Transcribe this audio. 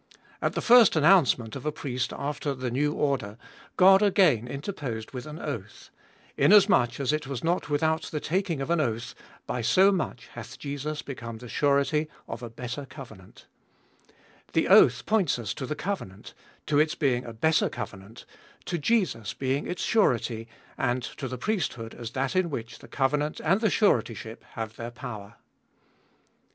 At the first announcement of a priest after the new order, God again interposed with an oath : inasmuch as it was not without the taking of an oath, by so much hath Jesus become the surety of a better covenant. The oath points us to 248 abe Ifooliest of Bll the covenant, to its being a better covenant, to Jesus being its surety, and to the priesthood as that in which the covenant and the suretyship have their power.